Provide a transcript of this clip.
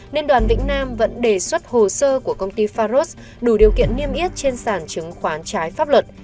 nên đoàn vĩnh nam vẫn đề xuất hồ sơ của công ty faros đủ điều kiện niêm yết trên sản chứng khoán trái pháp luật